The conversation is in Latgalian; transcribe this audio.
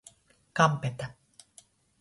Kampeta.